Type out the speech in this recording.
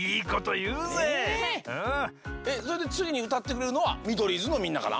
えっそれでつぎにうたってくれるのはミドリーズのみんなかな？